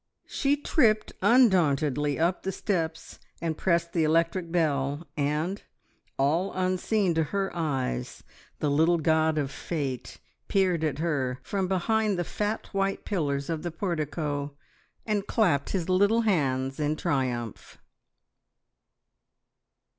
She tripped undauntedly up the steps and pressed the electric bell, and, all unseen to her eyes, the little god of fate peered at her from behind the fat white pillars of the portico, and clapped his little hands in triumph.